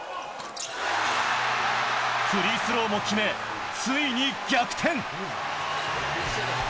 フリースローも決め、ついに逆転。